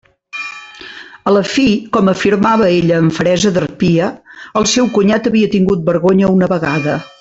A la fi, com afirmava ella amb feresa d'harpia, el seu cunyat havia tingut vergonya una vegada.